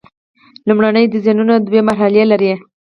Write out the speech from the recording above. لومړني ډیزاینونه دوه مرحلې لري.